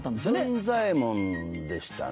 文左衛門でしたね。